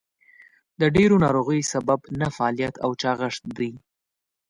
د ډېرو ناروغیو سبب نهفعاليت او چاغښت دئ.